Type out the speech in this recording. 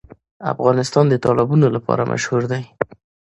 افغانستان د تالابونه لپاره مشهور دی.